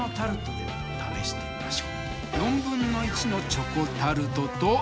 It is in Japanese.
チョコタルトと。